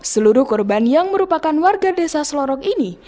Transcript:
seluruh korban yang merupakan warga desa selorok ini